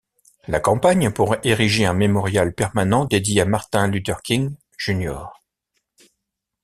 La campagne pour ériger un mémorial permanent dédié à Martin Luther King, Jr.